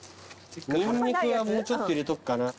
ニンニクはもうちょっと入れとくかな。